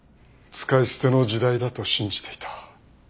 使い捨ての時代だと信じていた。